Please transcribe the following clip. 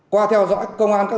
qua theo dõi công an các đơn pháp